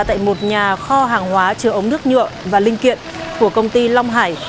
tại một nhà kho hàng hóa chứa ống nước nhựa và linh kiện của công ty long hải